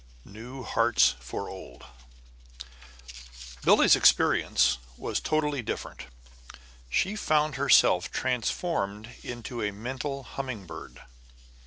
IV NEW HEARTS FOR OLD Billie's experience was totally different. She found herself transformed into a mental humming bird.